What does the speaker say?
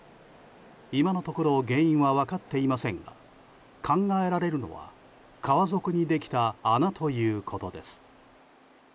今のところ原因は分かっていませんが考えられるのは川底にできた穴ということです。